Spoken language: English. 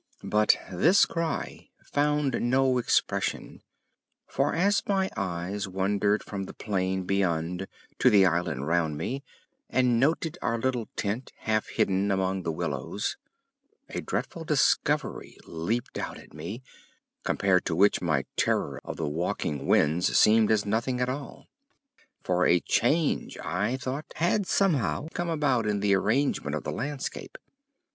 But this cry found no expression, for as my eyes wandered from the plain beyond to the island round me and noted our little tent half hidden among the willows, a dreadful discovery leaped out at me, compared to which my terror of the walking winds seemed as nothing at all. For a change, I thought, had somehow come about in the arrangement of the landscape.